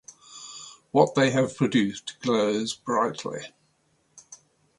What they have produced glows brightly.